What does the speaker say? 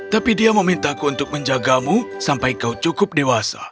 tapi dia memintaku untuk menjagamu sampai kau cukup dewasa